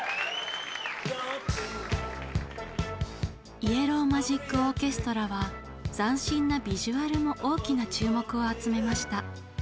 イエロー・マジック・オーケストラは斬新なビジュアルも大きな注目を集めました。